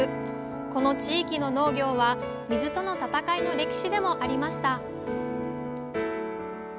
この地域の農業は水との闘いの歴史でもありました